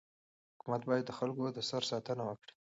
حکومت باید د خلکو د سر ساتنه وکړي.